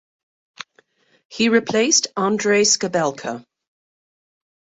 He replaced Andrei Skabelka.